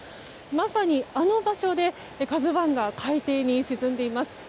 まさにあの場所で「ＫＡＺＵ１」が海底に沈んでいます。